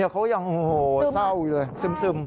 เขายังโอ้โหเศร้าอยู่เลยซึม